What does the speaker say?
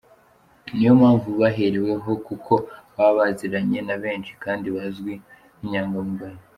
Ni yo mpamvu bahereweho kuko baba baziranye na benshi kandi bazwi nk’inyangamugayo.